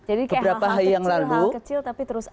jadi kayak hal hal kecil hal hal kecil tapi terus aja